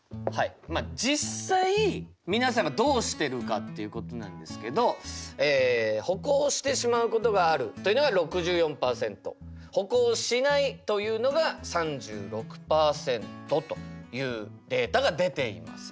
まあ実際皆さんがどうしてるかっていうことなんですけど歩行してしまうことがあるというのが６４％歩行しないというのが３６％というデータが出ています。